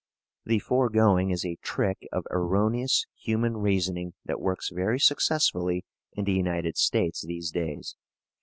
The foregoing is a trick of erroneous human reasoning that works very successfully in the United States these days.